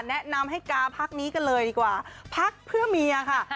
แนะนำให้กาพักนี้กันเลยดีกว่าพักเพื่อเมียค่ะ